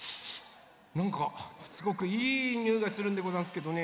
なんかすごくいいにおいがするんでござんすけどね。